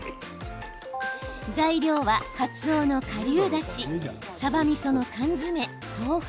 材料は、カツオのかりゅうだしさばみその缶詰、豆腐。